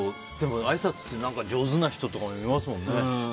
あいさつが上手な人っていますもんね。